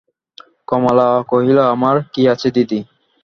কমলা কহিল, আমার কী আছে দিদি?